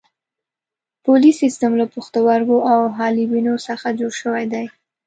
بولي سیستم له پښتورګو او حالبینو څخه جوړ شوی دی.